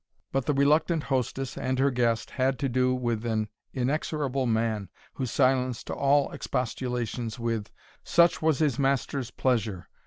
But the reluctant hostess and her guest had to do with an inexorable man, who silenced all expostulations with, "such was his master's pleasure.